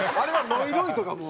ロイロイとかも。